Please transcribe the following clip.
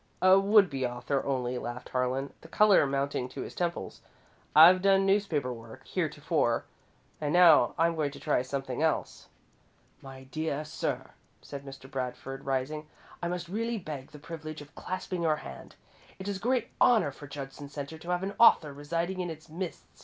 "A would be author only," laughed Harlan, the colour mounting to his temples. "I've done newspaper work heretofore, and now I'm going to try something else." "My dear sir," said Mr. Bradford, rising, "I must really beg the privilege of clasping your hand. It is a great honour for Judson Centre to have an author residing in its midst!"